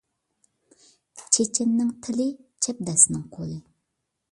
چېچەننىڭ تىلى ، چەبدەسنىڭ قولى